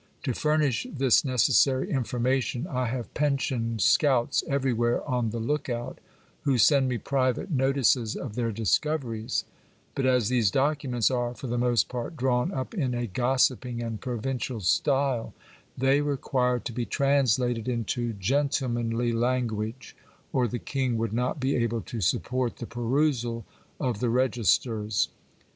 To furnish this necessary information, I have pensioned ■ scouts everywhere on the look out, who send me private no tices of their discoveries ; but as these documents are for the most part drawn up in a gossiping and provincial style, they require to be translated into gentle manly language, or the king would not be able to support the perusal of the registers.